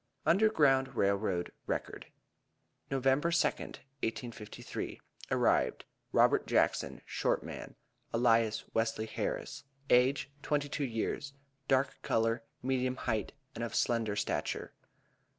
UNDERGROUND RAIL ROAD RECORD. November 2d, 1853. Arrived: Robert Jackson (shot man), alias Wesley Harris; age twenty two years; dark color; medium height, and of slender stature.